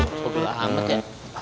aduh gelap banget ya